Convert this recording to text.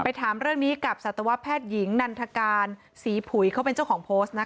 ถามเรื่องนี้กับสัตวแพทย์หญิงนันทการศรีผุยเขาเป็นเจ้าของโพสต์นะคะ